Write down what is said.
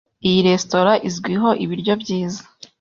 Iyi resitora izwiho ibiryo byiza.